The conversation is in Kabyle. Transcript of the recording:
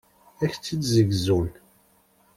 Ad ak-tt-id-ssegzun.